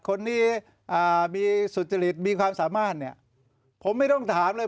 คนนี้มีสุจริตมีความสามารถเนี่ยผมไม่ต้องถามเลย